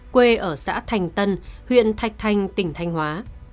quê ở xã thành tân huyện thạch thành tỉnh thanh hóa